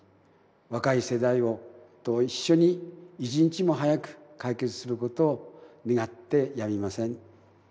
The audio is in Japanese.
若い世代と一緒に、一日も早く解決することを願ってやみません。